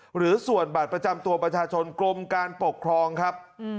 หรือส่วนบัตรประจำตัวประชาชนกรมการปกครองครับ